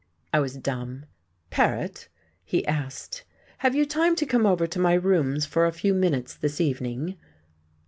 I was dumb. "Paret," he asked, "have you time to come over to my rooms for a few minutes this evening?"